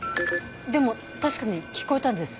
でも確かに聞こえたんです。